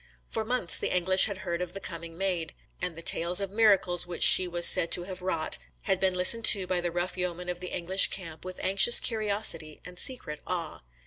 For months the English had heard of the coming Maid; and the tales of miracles which she was said to have wrought, had been listened to by the rough yeomen of the English camp with anxious curiosity and secret awe.